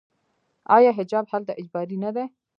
آیا حجاب هلته اجباري نه دی؟